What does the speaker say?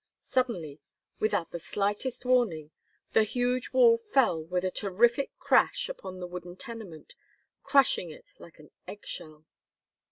Suddenly, without the slightest warning, the huge wall fell with a terrific crash upon the wooden tenement, crushing it like an egg shell.